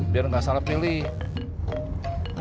biar nggak salah pilih